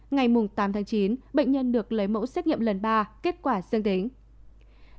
ngày tám tháng chín bệnh nhân được lấy mẫu xét nghiệm lần ba kết quả dương tính